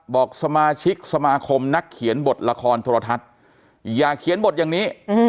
บอกสมาชิกสมาคมนักเขียนบทละครโทรทัศน์อย่าเขียนบทอย่างนี้